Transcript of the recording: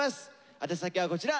宛先はこちら。